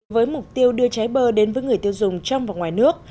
với mục tiêu đưa trái bơ đến với người tiêu dùng trong và ngoài nước